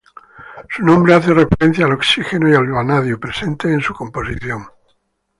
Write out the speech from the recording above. Su nombre hace referencia al oxígeno y al vanadio presentes en su composición.